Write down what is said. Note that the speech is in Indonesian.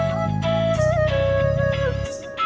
kita akan mencari penumpang yang lebih baik